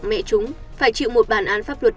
phải chịu một bản án pháp luật